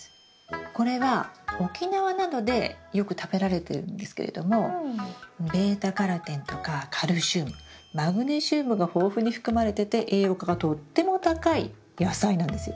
これは沖縄などでよく食べられてるんですけれどもβ−カロテンとかカルシウムマグネシウムが豊富に含まれてて栄養価がとっても高い野菜なんですよ。